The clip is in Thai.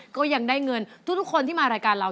ก็ยังได้เงินทุกคนที่มารายการเรา